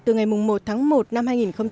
từ ngày một tháng một năm hai nghìn một mươi tám